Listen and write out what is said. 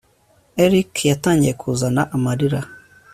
erick yatangiye kuzana amarira